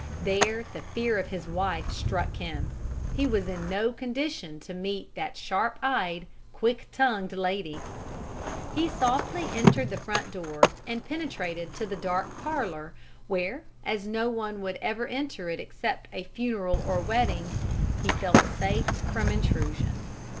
There the fear of his wife struck him. He was in no condition to meet that sharp eyed, quick tongued lady! He softly entered the front door and penetrated to the dark parlor, where, as no one would ever enter it except for a funeral or a wedding, he felt safe from intrusion.